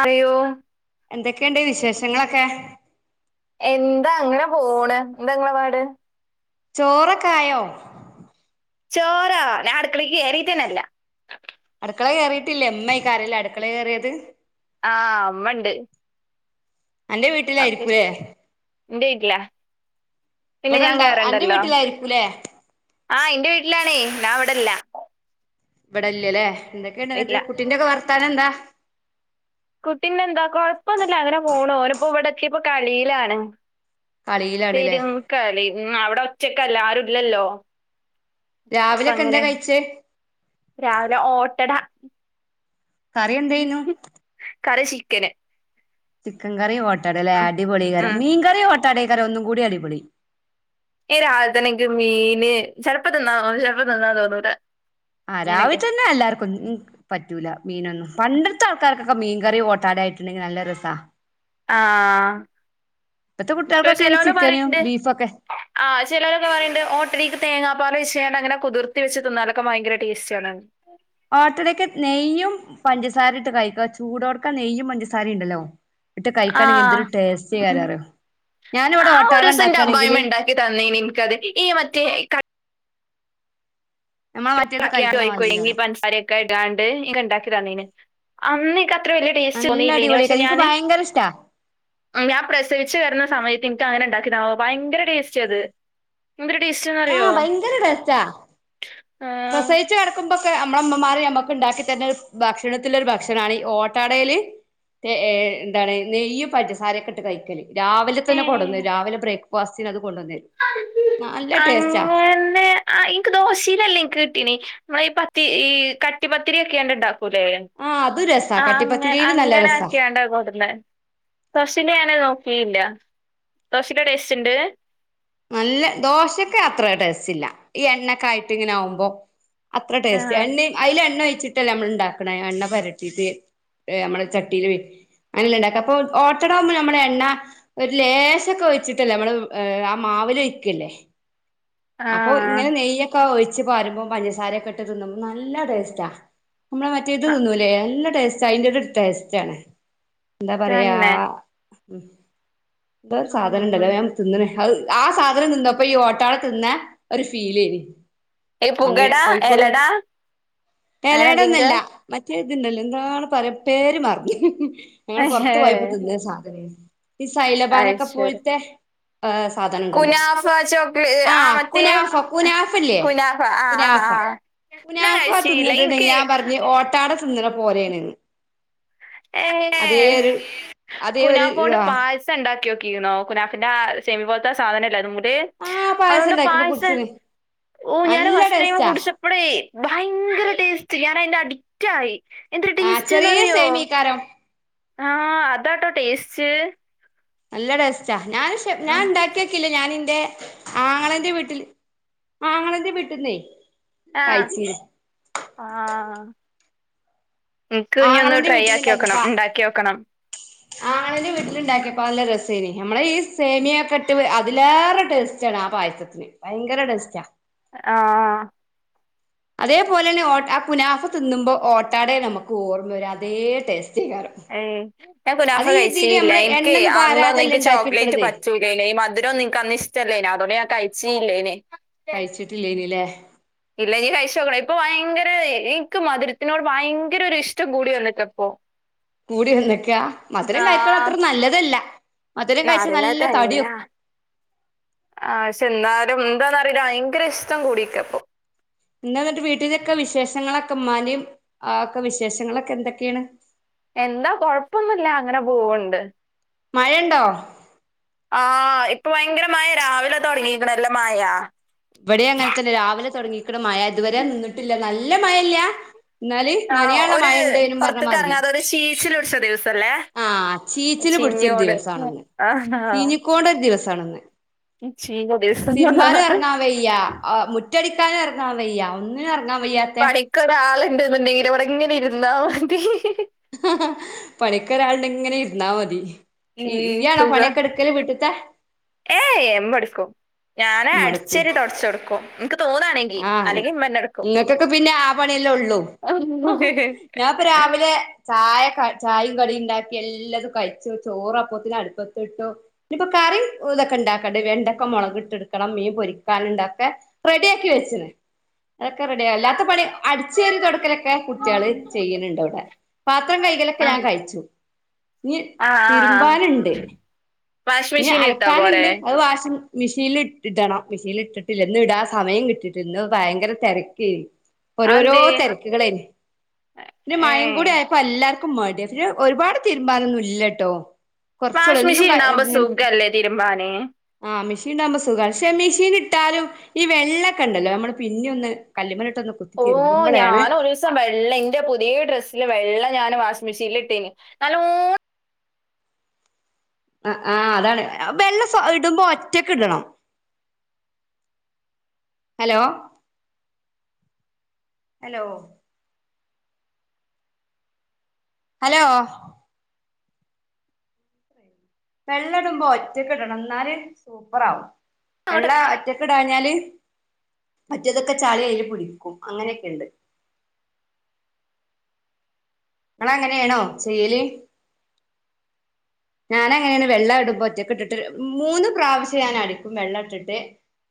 അയ്യോ എന്തൊക്കെണ്ട് വിശേഷങ്ങളൊക്കെ? എന്താ അങ്ങനെ പോണ് എന്ത ങ്ങളെ പാട് ചോറകെ ആയോ ചോറോ ഞാൻ അടക്കളീക്ക് കേറീട്ടന്നെല്ല. ക്കളെ കേറീട്ടില്ലെ ഇമ്മെയ്ക്കാരം ലെ അടുക്കളെ കേറിയത് ആഹ് ഇമ്മണ്ട് അന്റെ വീട്ടിലായിരിക്കുലെ ഇല പിന്നെ ഞാൻ ഇണ്ടാ അന്റെ കേറണ്ടല്ലൊ. വീട്ടിലായിരിക്കൂലേ ആഹ് ഇന്റെ വീട്ടിലാണെയ്. ഞാൻ ഇവിടല്ല ഇവിടല്ലലെ ന്തെക്കെണ്ട് ഇല്ല ഇന്ന്ട്ട് കുട്ടിന്റൊക്കെ വർത്താനെന്താ കുട്ടിന്റെന്താ കൊഴപ്പൊന്നുല്ല. അങ്ങനെ പോണു ഓന്പ്പൊ ഇവ്ടെത്തീപ്പൊ കളീലാണ് കളിയിലാണ്ല്ലേ പെരുംകളി. ഉം അവ്ടെ ഒറ്റക്കല്ലെ. ആരുല്ലല്ലൊ രാവിലെയൊക്കെ എന്താ അപ്പങ്ങനെ. കഴിച്ചേ രാവിലെ ഓട്ടട കറിയെന്തേനു കറി ചിക്കന് ചിക്കൻ കറി ഓട്ടടലെ. ഉം, അടിപൊളിയെകാരം. ഉം. മീൻ കറി ഓട്ടാടെകാരം ഒന്നും കൂടി അടിപൊളി ഈ രാവില്തന്നെ ഇന്ക്ക് മീന് ചെൽപ്പം തിന്നാ തോന്നും ചെൽപ്പം തിന്നാൻ തോന്നൂല്ല ആഹ് രാവിൽതന്നെ എല്ലാർക്കും ഉം പറ്റൂല മീനൊന്നും പണ്ടത്തെ ആൾക്കാർകൊക്കെ മീൻ കറി ഓട്ടാടായിട്ട്ണ്ടെങ്കി നല്ല രസ ആഹ് ഇപ്പത്തെ ഇപ്പൊ കുട്ടികൾക്കൊക്കെ ചെലോല് ചിക്കനും പറയ്ണ്ട് ബീഫൊക്കെ ആഹ് ചെലോലൊക്കെ പറയ്ണ്ട് ഓട്ടടീക്ക് തേങ്ങാ പ്പാലൊഴിച്ച്കാണ്ട് അങ്ങനെ കുതിർത്തി വെച്ച് തിന്നാലൊക്കെ ഭയങ്കര ടേസ്റ്റാണ് ന്ന് ഓട്ടടക്ക് നെയ്യും പഞ്ചസാരിട്ട് കഴിക്ക. ചൂടോട്ക്കൻ നെയ്യും പഞ്ചസാരിണ്ടല്ലൊ ഇട്ട് കഴിക്കാണെങ്കി എന്തൊരു ടേസ്റ്റെകാരം അറിയൊ ആഹ് ആ ഒരുസം എന്റെ അമ്മായ്മ ഇണ്ടാക്കി തന്നീനി ഇന്ക്കത്. ഈ മറ്റേ ക നമ്മളെ മറ്റേത് കഴിക്കണ [unintelligible] മാതിരികാരം പൻസാരയൊക്കെ ഇടാണ്ട് ഇൻക് ഇണ്ടാക്കി തന്നീന് അന്ന് ഇൻക ത്ര വെലിയ ടേസ്റ്റ് നല്ല തോന്നിയില്ലേനു. പക്ഷെ അടിപൊളിയാക്കാരം എനിക്ക് ഞാന് ഭയങ്കര ഇഷ്ടാ ഉം ഞാൻ പ്രസവിച്ച് കെടന്ന സമയ ഇന്ക്കങ്ങനെ ഇണ്ടാക്കിത ഭയങ്കര ടേസ്റ്റത് എന്തൊരു ടേസ്റ്റന്നറിയോ ആഹ് ഭയങ്കര ടേസ്റ്റാ പ്രസവിച്ച് കെടക്കുമ്പ ക്കെ നമ്മളെ ഇമ്മമാർ നമ്മക്ക് ഇണ്ടാക്കി തര്ന്ന ഒരു ഭക്ഷണത്തിലൊരു ഭക്ഷണാണ് ഈ ഓട്ടടേല് [unintelligible] എന്താണ് നെയ്യും പഞ്ചസാരയൊക്കെ ഇട്ട് കഴിക്കല്. രാവിലെ തന്നെ ഏഹ് കൊട്ന്നെരും രാവിലെ ബ്രേക്ക്ഫാസ്റ്റ് ന് അത് കൊണ്ടന്നെരും അങ്ങനെ ആഹ് ഇന്ക്ക് ദോശീലല്ല ഇൻക് ട്ടീനി. നമ്മള് ഈ പത്തി ഈ കട്ടിപ്പത്തിരി ആക്ക്യാണ്ട് ഇണ്ടാക്കൂലെ ആഹ് അത് രസാ ആഹ് അങ്ങനെ കട്ടിപ്പത്തിരിയില് നല്ല രസാ അങ്ങനാക്കിയാണ്ട കൊടുന്നെ. ഫസ്റ്റില് ഞാനത് നോ കീല്ല. ദേശെല് ടേസ്റ്റ് ഇണ്ട് നല്ല. ദോശക്ക് അത്ര ടേസ്റ്റില്ല ഈ എണ്ണൊക്കെ ആയിട്ട് ഇങ്ങനെ ആവുമ്പൊ അത്ര ടേസ്റ്റ്. ആഹ് എണ്ണിം അയില് എണ്ണ ഒഴിച്ചിട്ടല്ലെ നമ്മള്ണ്ടാക്ക്ണെ എണ്ണ പരട്ടീട്ട് ഏഹ് ഞമ്മള ചട്ടീലൊയി അങ്നല്ല ഉണ്ടാക്ക. അപ്പൊ ഓട്ടട ആകുമ്പ നമ്മളെ എണ്ണ ഒരു ലേശൊക്കെ ഒഴിച്ചിട്ടല്ലേ നമ്മള് [unintelligible] മാവിലൊഴിക്കല്ലേ. അപ്പൊ ആഹ് ഇങ്ങനെ നെയ്യക്കൊ ഒഴി ച്ച് പാരുമ്പം പഞ്ചസാരൊക്കെ ഇട്ട് തിന്നുമ്പം നല്ല ടേസ്റ്റാ. നമ്മളെ മറ്റേ ഇത് തിന്നൂല്ലേ നല്ല ടേസ് റ്റയ്ൻ്റൊരു ടേസ്റ്റ് ആണ് എന്താ പറയാ തന്നെ ഉം എന്തോ ര് ഉം സാധനണ്ടല്ലോ അത് ഞാൻ തിന്ന്ണ്. അഹ് ആ സാധനം തിന്നപ്പൊ ഈ ഓട്ടാള തിന്ന ഒരു ഫീലേനി ഈ അന്ന് പുകട കോഴിക്കോട് എലട അങ്ങനെ എലയട ഒന്നു എന്തെങ്കിലാ അല്ല റെ ഇത്ണ്ടല്ലേ എന്താണ് പറയ പേര് മറന്ന്. ഞങ്ങള് പുറത്തു പോയപ്പോ തിന്ന ഒരു സാധനേനി. ഈ അയ് സൈലബാനൊക്കെ ശരി പോൽത്തെ ഏഹ് സാധനണ്ടല്ലോ കുനാഫ ചോക്ലേ ആ ആഹ് മറ്റേ കുനാഫ കുനാഫല്ലേ കുനാഫ ആഹ് ആഹ് കുനാഫ ആഹ് ഞാൻ കുനാഫ കഴിച്ചീല്ല തിന്നിട്ടുണ്ടെങ്കിൽ ഇൻക്ക് ഞാൻ പറഞ്ഞ് ഓട്ടാട തിന്നണ പോലേണ് ന്ന് അതേ ഏഹ് ഒരു അതേ ഒര് ആഹ് ക്യോക്കീക്ണോ. കുനാഫന്റെ ആ സേമി പോലത്തെ സാധനല്ലെ അതിമ്മല്. ആഹ് പായസം അതുകൊണ്ട് ഉണ്ടാക്കിട്ട് പായസ കുടിച്ചിന് ഓ ഞാനഹ് നല്ല ഫസ്റ്റ് ടൈം ടേസ്റ്റാ കുടിച്ചപ്പളേ ഭയങ്കര ടേസ്റ്റ്. ഞാൻ അതിന്റെ അടി ആ ചെറിയ സേമിയെക്കാരം ആഹ് അതാട്ടോ ടേസ്റ്റ് നല്ല ടെസ്റ്റാ ഞാൻ ഞാൻ ഉണ്ടാക്കിയക്കി ഞാൻ ഇന്റെ ആങ്ങളന്റെ വീട്ടിൽ ആങ്ങളന്റെ വീട്ട്ന്നെ ആഹ് ആഹ് ഹ് ആങ്ങളന്റെ ട്രൈ വീട്ടിൽ ആക്കി നോക്കണം ഉണ്ടാക്കിയപ്പാ ഉണ്ടാക്കി നോക്കണം ആങ്ങളന്റെ വീട്ടിലുണ്ടാക്കിയ അപ്പ നല്ല രസേനി നമ്മള ഈ സേമിയൊക്കെ ഇട്ട് അതിലേറെ ടേസ്റ്റ് ആണ് ആ പായസത്തിന് ഭയങ്കര ടേസ്റ്റ ആഹ് ആഹ് അതേപോലെ ന്നെ ഓ ആ കുനാഫ് തിന്നുമ്പോ ഓട്ടാട നമുക്ക് ഓർമ്മ വര അതേ ടേസ്റ്റ് ഏഹ് ഞാൻ കുനാഫ ഇതില് കഴിച്ചില്ല നമ്മള് എനിക്ക് എണ്ണൊന്നും അന്നൊന്ന പാരാതെല്ലേ എനിക്ക് ചോക്ലേറ്റ് ഇണ്ടാക്കിയെടുക്കണത് പറ്റൂലല്ല ഈ മധുരം രന്നും ഇന്ക് അന്ന് ഇഷ്ടല്ലേനി അതോണ്ട ഞാൻ കഴിച്ചില്ലേനെ കഴിച്ചിട്ടില്ലെനി ല്ലേ ഇല്ല നീ കഴിച്ചോക്കണ ഇപ്പൊ ഭയങ്കര എനിക്ക് മധുരത്തിനോട് ഭയങ്കര ഒരു ഇഷ്ടം കൂടി വന്നിക്കാ ഇപ്പൊ കൂടി വന്നക്കെയാ മധുരം കഴക്കണ അത്ര നല്ലതല്ല മധുരം കഴിച്ചാ നാരങ്ങ നല്ല തടി തന്ന വെക്കും ആവശ്യ ല്ലാ എന്താന്ന് അറിയില്ല ഭയങ്കര ഇഷ്ടം കൂടിയെക്ക പ്പൊ എന്താട്ട് വീട്ടിലൊക്കെ വിശേഷങ്ങളൊക്കെ ഉമ്മാന്റെ ആഹ് ഒക്കെ വിശേഷങ്ങളൊക്കെ എന്തൊക്കെയാണ് എന്താ കൊഴപ്പൊന്നുല്ല അങ്ങനെ പോവണ്ട് മഴയുണ്ടോ ആഹ് ഇപ്പൊ ഭയങ്കര മഴാ രാവിലെ തുടങ്ങിക്കണ എല്ലോ മഴാ ഇവിടെ അങ്ങനെ തന്നെ രാവിലെ തുടങ്ങിക്കണ മഴ ഇതുവരെ നിന്നിട്ടില്ല നല്ല മഴയില്ല എന്നാല് ആ നനയാനുള്ള ഒരു മഴയുണ്ട് പറഞ്ഞ പുറത്തേക്ക് മാതിരി ഇറങ്ങാതെ ഒരു ശീശിൽ പിടിച്ച ദിവസല്ലേ ആഹ് ചീച്ചിൽ തി പിടിച്ച ഒരു ചിഞ്ഞോട് ദിവസാന്ന് ഇന്ന് ആ, ചീഞ്ഞിക്കോണ്ട ദിവസാണ് ഇന്ന് ചീഞ്ഞ ദിവസമെന്ന് ഇറങ്ങാൻ വയ്യ ആഹ് മുറ്റടിക്കാനും ഇറങ്ങാൻ വയ്യ ഒന്നിനും ഇറങ്ങാൻ- വയ്യാത്തെ പണിക്ക്‌ ഒരാരാളുണ്ട്ന്നുണ്ടെങ്കിൽ ഇവിടെ ഇങ്ങനെ ഇരുന്നാ മതി പണിക്കൊരാളുടെങ്കി ഇങ്ങനെ ഇരുന്നാ മതി ഉം ഈയാണോ സുഖം പണിയൊക്കെ എടുക്കല് വീട്ടിലത്തെ ഞാന് അടിച്ചവാരി തൊടച്ച് കൊടുക്കും ആഹ് നിങ്ങക്കൊക്കെ പിന്നെ ആ പണിയെല്ലേ ഉള്ളു ഞാൻപ്പൊ രാവിലെ- ചായ ചായയും കടിയും ഇണ്ടാക്കി എല്ലാരും കഴിച്ചു ചോറ് അപ്പോത്തിന് അടുപ്പത്തിട്ടു ഇനിപ്പ- കറി ഇതൊക്കെ ഇണ്ടാക്കണ്ടെ വെണ്ടൊക്കെ മുളക് ഇട്ടെടുക്കണം മീൻ പൊരിക്കാനുണ്ടേക്കെ റെഡി- ഇത് വെച്ചനെ അതൊക്കെ റെഡിയ അല്ലാത്ത പണി അടിച്ചു വാരി തൊടക്കലൊക്കെ കുട്ടികൾ ചെയ്യുന്നുണ്ട് അവിടെ പാത്രം കഴുകലൊക്കെ- ആ ക്കെ ഞാൻ കഴിച്ചു ഇനി ആ തിരുമ്പാന്ണ്ട് വാഷിംഗ് ഇനി മെഷീൻ ഇട്ടാ പോരെ അലക്കാന്ണ്ട് അത് വാശ് മിഷീല് ഇട്ടിട്ടാണോ മിഷീല് ഇട്ട്ട്ട്ല്ല ഇന്ന് ഇടാൻ സമയം കിട്ടിട്ടില്ല ഇന്ന് ഭയങ്കര തെരക്കെനി- ഓരോരോ അതെന്തേ തെരക്കുകളേ ഇനി ഏ മഴേകൂടി ആയപ്പോ എല്ലാർ ർക്കും മടിയാ ഒരുപാട് തീരുമ്പാനൊന്നും ഇല്ലട്ടോ കുറച്ചോളൂ എന്നും വാഷിമിഷീൻ ഇണ്ടാക്കുമ്പോ സുഖല്ലേ തിരുമ്പാന് ആഹ മിഷീൻ ഇണ്ടാകുമ്പോ സുഖാ പക്ഷെ മിഷീന് ഇട്ടാലും ഈ വെള്ളക്കണ്ടല്ലോ നമ്മള് പിന്നെഒന്ന് കല്ലുംമേൽ - ഓ ഞാൻ ഒരിസം വെള്ളെ എന്റെ പുതീയേ ഡ്രസ്സ് ഇല്ല വെള്ള ഞാന് വാഷിംഗ് മിഷീല് ഇട്ടീനി നല്ലോ- ആ ആഹ് അതാണ് വെള്ള സോ ഇടുമ്പോ ഒറ്റക്ക്‌ ഇടണം ഹലോ ഹലോ ഹലോ വെള്ള ഇടുമ്പോ ഒറ്റക്ക്‌ ഇടണം ഇന്നാല് സൂപ്പറാവും അങ്ങോട്ട് വെള്ള ഒറ്റ ക്ക്‌ ടാഞ്ഞാല് മറ്റേതൊക്കെ ചളി അയ്ല് പിടിക്കും. അങ്ങനെക്കെ ഇണ്ട് നങ്ങളങ്ങനേണോ ചെയ്യല് ഞാനങ്ങനെണ് വെള്ള ടുമ്പോ ഒറ്റക്കിട്ടിട്ട് മൂന്ന് പ്രാവശ്യം ഞാൻ അടിക്കും വെള്ളം ഇട്ട്ട്ട്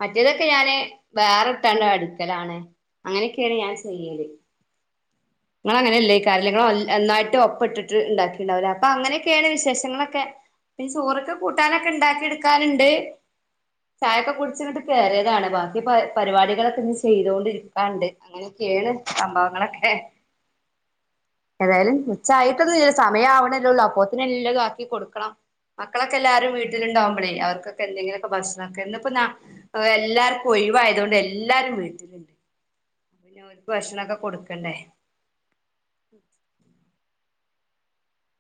മറ്റേതൊക്കെ ഞാന് വേറെ ഇട്ടാണ്ട് അടിക്കലാണ് അങ്ങനെക്കെണ് ഞാൻ ചെയ്യല് നിങ്ങള് അങ്ങനെയല്ലേക്കാരല്ലേ നിങ്ങള് എല്ലാ ഒന്നായിട്ട് ഒപ്പട്ട്ട്ട് ഇണ്ടാക്കിണ്ടാകുല്ലേ അപ്പ അങ്ങനെക്കെയാണ് വിശേഷങ്ങള് ക്കെ പി സൂറക്ക്‌ കൂട്ടാനൊക്കെ ഇണ്ടാക്കി എടുക്കാന്ണ്ട് ചായൊക്കെ കുടിച്ച് ങ്ങട്ട് കേറ്യേതാണ് ബാക്കി പ പരിപാടികളൊക്കെ ഇനി ചെയ്തോണ്ടിരിക്കാണ്ട് അങ്ങനൊ ക്കെണ് സംഭവങ്ങളൊക്കെ ഏതായാലും ഉച്ചായിട്ടൊന്നും ല്ല സമയവണല്ലോള്ളൂ അപ്പോത്തിന് എല്ലതും ആക്കി കൊടുക്കണം മക്കളൊക്കെ എല്ലാരും വീട്ടിലുണ്ടാവുമ്പളേ അവർക്കൊക്കെ എന്തെിലൊക്കെ ഭക്ഷണക്കെ ഇന്ന്പ്പ ഞാ എല്ലാർക്കു ഒയി ഒഴ് വായതോണ്ട് എല്ലാരും വീട്ട്ല്ണ്ട് പിന്നെ ഓൽക്ക്‌ ഭക്ഷണക്കെ കൊടുക്കണ്ടേ